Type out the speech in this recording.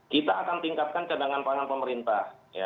kita akan tingkatkan cadangan pangan pemerintah